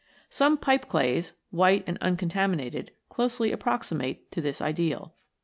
Some Pipe clays, white and uncon taminated, closely approximate to this ideal.